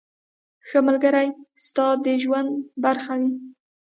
• ښه ملګری ستا د ژوند برخه وي.